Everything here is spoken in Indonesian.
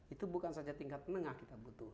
itu bukan saja tingkat menengah kita butuh